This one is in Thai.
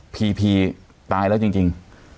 พีพีตายแล้วจริง